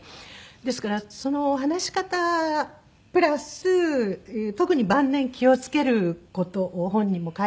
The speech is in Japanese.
ですからその話し方プラス特に晩年気を付ける事を本にも書いてるんですけれども。